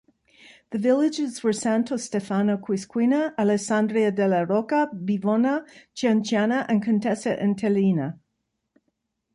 The villages were Santo Stefano Quisquina, Alessandria della Rocca, Bivona, Cianciana, and Contessa Entellina.